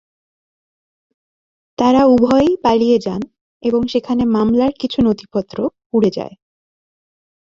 তারা উভয়েই পালিয়ে যান এবং সেখানে মামলার কিছু নথিপত্র পুড়ে যায়।